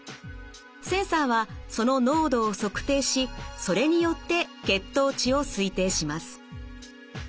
センサーはその濃度を測定しそれによって血糖値を推定します。